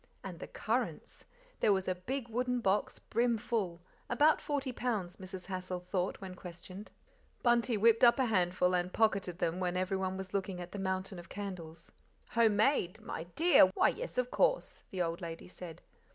And the currants! There was a big wooden box brim full about forty pounds, Mrs. Hassal thought when questioned. Bunty whipped up a handful and pocketed them when everyone was looking at the mountain of candles. "Home made! my DEAR, why, yes, of course," the old lady said.